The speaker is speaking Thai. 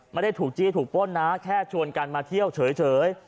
ไม่ได้ถูกจี้ถูกป้นนะแค่ชวนกันมาเที่ยวเฉย